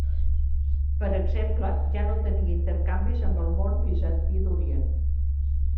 Per exemple, ja no tenia intercanvis amb el món bizantí d'orient.